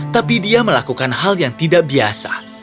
tapi dia melakukan hal yang tidak biasa